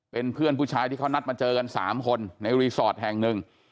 เป็นเพื่อนผู้ชายที่เขานัดมาเจอกัน๓คนในรีสอร์ทแห่งหนึ่ง